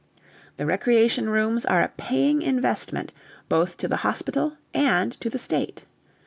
The recreation rooms are a paying investment both to the hospital and to the State.